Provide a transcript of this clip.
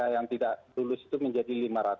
yang tidak lulus itu menjadi lima ratus